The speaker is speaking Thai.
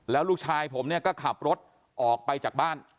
แล้วลูกชายผมเนี่ยก็ขับรถออกไปจากบ้าน